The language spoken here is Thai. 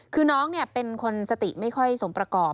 คือน้องเป็นคนสติไม่ค่อยสมประกอบ